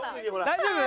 大丈夫？